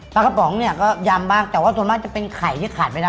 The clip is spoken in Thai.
ปลากระป๋องก็ยำมากแต่ส่วนมากจะเป็นไข่ที่ขาดไม่ได้